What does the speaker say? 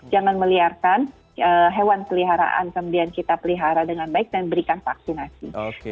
jangan meliarkan hewan peliharaan kemudian kita pelihara dengan baik dan berikan vaksinasi